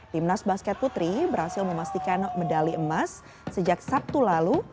timnas basket putri berhasil memastikan medali emas sejak sabtu lalu